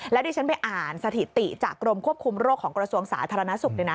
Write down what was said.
แล้วที่ฉันไปอ่านสถิติจากกรมควบคุมโรคของกระทรวงสาธารณสุข